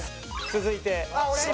続いて芝！